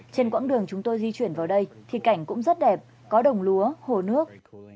trên quãng đường chúng tôi di chuyển vào đây thì cảnh cũng rất đẹp có đồng lúa hồ nước